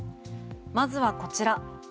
まずはこちら。